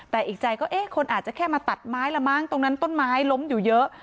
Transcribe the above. แต่อีกใจก็เอ๊ะคนอาจจะแค่มาตัดไม้ละมั้งตรงนั้นต้นไม้ล้มอยู่เยอะ